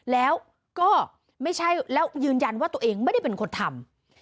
แล้วก็ไม่ใช่แล้วยืนยันว่าตัวเองไม่ได้เป็นคนทำ